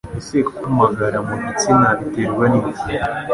Ese kumagara mu gitsina biterwa n'iki